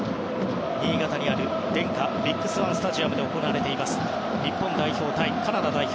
新潟にあるデンカビッグスワンスタジアムで行われています日本代表対カナダ代表。